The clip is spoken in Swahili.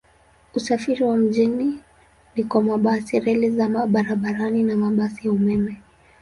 Usafiri wa mjini ni kwa mabasi, reli za barabarani na mabasi ya umeme.